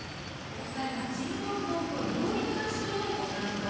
お二人は「ちむどんどん」の料理監修をご担当。